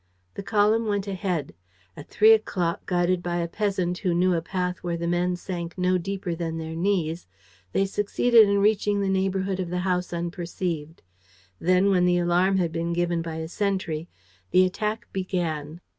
The column went ahead. At three o'clock, guided by a peasant who knew a path where the men sank no deeper than their knees, they succeeded in reaching the neighborhood of the house unperceived. Then, when the alarm had been given by a sentry, the attack began.